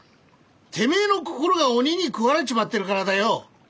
てめえの心が鬼に食われちまってるからだよ！